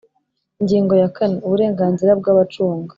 Ingingo ya kane Uburenganzira bw abacunga